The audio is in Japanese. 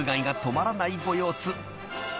［ご様子］